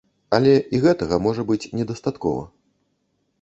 Але і гэтага можа быць недастаткова.